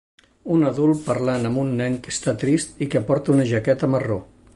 Un adult parlant amb un nen que està trist i que porta una jaqueta marró.